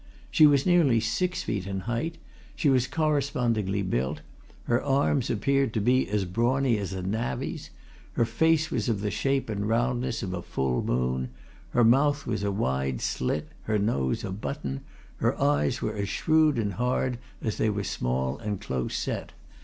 She was nearly six feet in height; she was correspondingly built; her arms appeared to be as brawny as a navvy's; her face was of the shape and roundness of a full moon; her mouth was a wide slit, her nose a button; her eyes were as shrewd and hard as they were small and close set.